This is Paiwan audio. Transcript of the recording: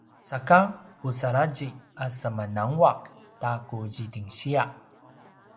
sake pusaladji a semananguaq ta ku zidingsiya